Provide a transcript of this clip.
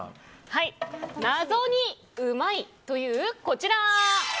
謎にうまいという、こちら。